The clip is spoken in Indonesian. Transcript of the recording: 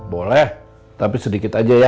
boleh tapi sedikit aja ya